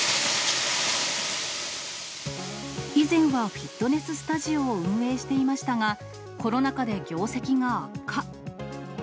以前はフィットネススタジオを運営していましたが、コロナ禍で業績が悪化。